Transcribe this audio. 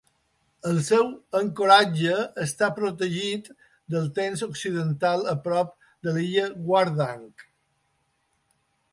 El seu ancoratge està protegit del temps occidental a prop de la illa Wardang.